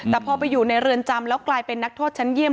แต่พอไปอยู่ในเรือนจำแล้วกลายเป็นนักโทษชั้นเยี่ยม